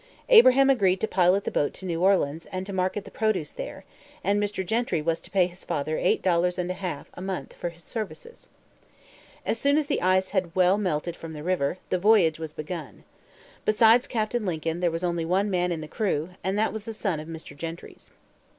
Abraham agreed to pilot the boat to New Orleans and to market the produce there; and Mr. Gentry was to pay his father eight dollars and a half a month for his services. As soon as the ice had well melted from the river, the voyage was begun. Besides Captain Lincoln there was only one man in the crew, and that was a son of Mr. Gentry's.